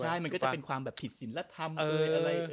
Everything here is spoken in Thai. ใช่มันก็จะเป็นความผิดสินลัดธรรมอะไรเงื่อน